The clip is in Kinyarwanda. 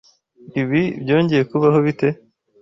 Ibi byongeye kubaho bite?